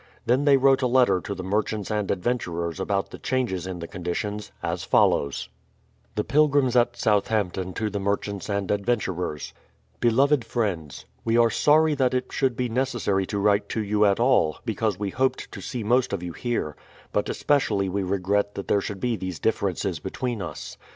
Then they vvrote a letter to the merchants and adventurers about the changes in the conditions as follows: The Pilgrims at Southampton to the Merchants and Adventurers: Beloved Friends, We are sorry that it should be necessary to write to you at all, be cause we hoped to see most of you here ; but especially we regret that there should be these differences between us.